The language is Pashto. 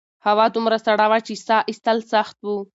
هوا دومره سړه وه چې سا ایستل سخت وو.